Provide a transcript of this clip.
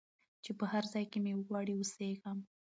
چي په هرځای کي مي وغواړی او سېږم